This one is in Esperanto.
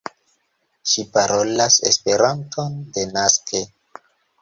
Ŝi parolas Esperanton denaske.